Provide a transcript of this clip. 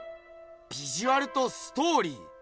ビジュアルとストーリー。